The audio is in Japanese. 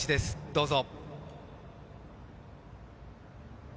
どうぞ。